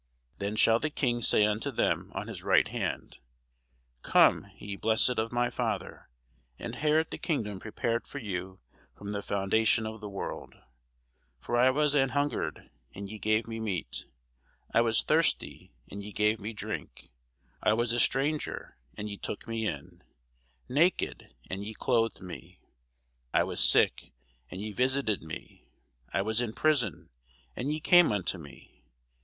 Then shall the King say unto them on his right hand, Come, ye blessed of my Father, inherit the kingdom prepared for you from the foundation of the world: for I was an hungred, and ye gave me meat: I was thirsty, and ye gave me drink: I was a stranger, and ye took me in: naked, and ye clothed me: I was sick, and ye visited me: I was in prison, and ye came unto me.